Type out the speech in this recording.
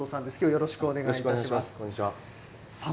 よろしくお願いします。